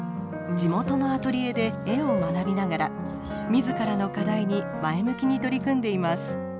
地元のアトリエで絵を学びながら自らの課題に前向きに取り組んでいます。